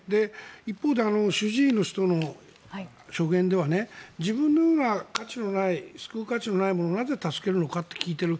一方で、主治医の人の証言では自分のような救う価値のない者をなぜ助けるのかと聞いている。